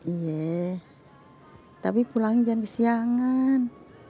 iya tapi pulangnya jam kesiangan